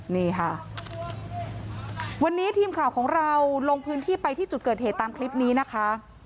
นี่ค่ะวันนี้ทีมข่าวของเราลงพื้นที่ไปที่จุดเกิดเหตุตามคลิปนี้นะคะ